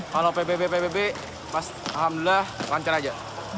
kalau pbb pbb alhamdulillah lancar aja